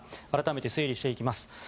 改めて整理していきます。